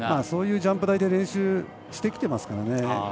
そういうジャンプ台で練習してきていますからね。